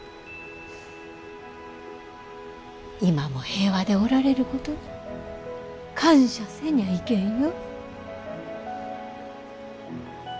今も平和でおられることに感謝せにゃいけんよ。